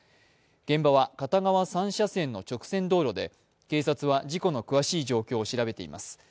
現場は片側３車線の直線道路で警察は事故の詳しい状況を調べています。